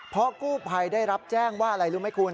เพราะกู้ภัยได้รับแจ้งว่าอะไรรู้ไหมคุณ